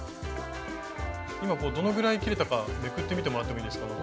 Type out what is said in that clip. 今どのぐらい切れたかめくってみてもらってもいいですか？